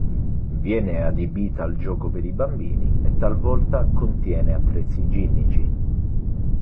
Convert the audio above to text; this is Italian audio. Viene adibita al gioco per i bambini e talvolta contiene attrezzi ginnici.